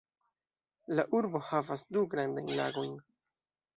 La urbo havas du grandajn lagojn.